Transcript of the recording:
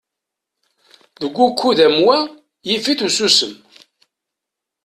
Deg ukud am wa, yif-it ususem.